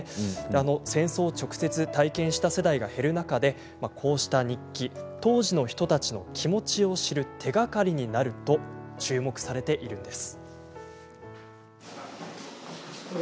戦争を直接体験した世代が減る中でこうした日記は当時の人たちの気持ちを知る手がかりになると注目されているんです。